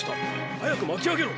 早く巻きあげろ！